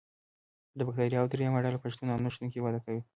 د بکټریاوو دریمه ډله په شتون او نشتون کې وده کوي.